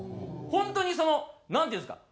本当にそのなんていうんですか？